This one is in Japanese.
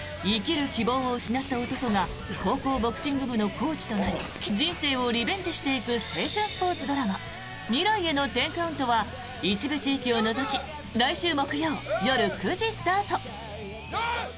生きる希望を失った男が高校ボクシング部のコーチとなり人生をリベンジしていく青春スポーツドラマ「未来への１０カウント」は一部地域を除き来週木曜夜９時スタート。